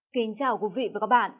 kính chào quý vị và các bạn